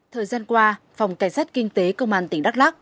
thời gian qua phòng cảnh sát kinh tế công an tỉnh đắk lắc